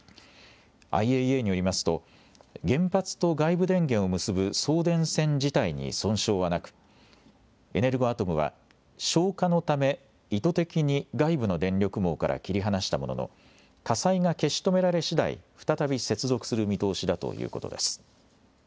ＩＡＥＡによりますと、原発と外部電源を結ぶ送電線自体に損傷はなく、エネルゴアトムは、消火のため、意図的に外部の電力網から切り離したものの、火災が消し止められしだい、再び接続する見通しだということです。